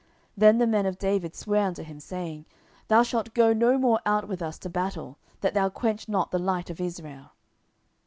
Then the men of David sware unto him, saying, Thou shalt go no more out with us to battle, that thou quench not the light of Israel.